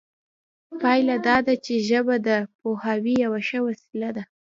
پایله دا ده چې ژبه د پوهاوي یوه ښه وسیله ده